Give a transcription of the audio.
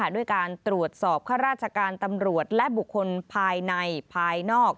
ด้วยการตรวจสอบข้าราชการตำรวจและบุคคลภายในภายนอก